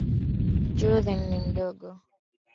Judith ni mdogo.